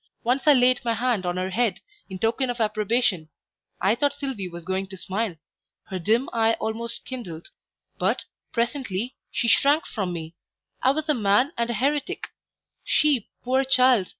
Once I laid my hand on her head, in token of approbation; I thought Sylvie was going to smile, her dim eye almost kindled; but, presently, she shrank from me; I was a man and a heretic; she, poor child!